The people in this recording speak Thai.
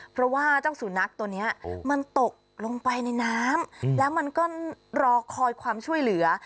เพราะว่าเจ้าสุนัขตัวนี้มันตกลงไปในน้ำแล้วมันก็รอคอยความช่วยเหลือ